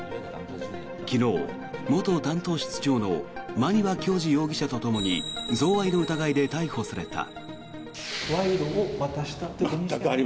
昨日、元担当室長の馬庭教二容疑者とともに贈賄の疑いで逮捕された。